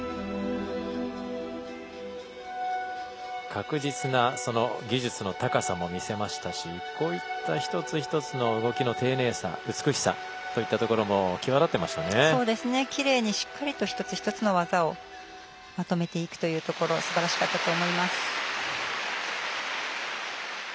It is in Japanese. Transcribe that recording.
確実な技術の高さも見せましたし、こういった一つ一つの動きの丁寧さ美しさといったところもきれいにしっかりと一つ一つの技をまとめていくというところすばらしかったと思います。